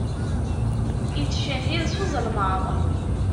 Ittcehhid s uzelmaḍ.